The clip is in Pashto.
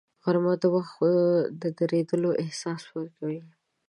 غرمه د وخت د درېدلو احساس ورکوي